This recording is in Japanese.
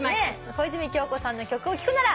「小泉今日子さんの曲を聴くなら」